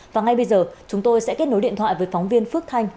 và ngay bây giờ chúng tôi sẽ kết nối điện thoại với phóng viên phước thanh